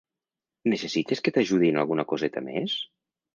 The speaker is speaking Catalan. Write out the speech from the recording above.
Necessites que t'ajudi en alguna coseta més?